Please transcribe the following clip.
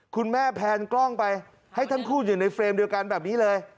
คุณแม่แพนกล้องไปให้ทั้งคู่อยู่ในเฟรมเดียวกันแบบนี้เลย